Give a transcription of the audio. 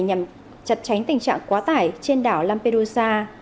nhằm chặt chánh tình trạng quá tải trên đảo lampedusa